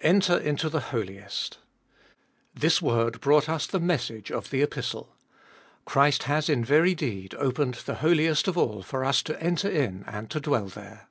Enter into the Holiest. This word brought us the message of the Epistle. Christ has in very deed opened the Holiest of All for us to enter in and to dwell there.